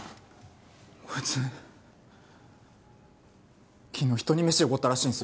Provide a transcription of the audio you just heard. こいつ昨日人に飯おごったらしいんすよ。